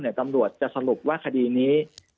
ตำรวจจะสรุปว่าคดีนี้